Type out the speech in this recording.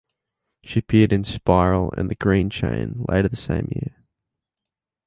She appeared in "Spiral" and "The Green Chain" later the same year.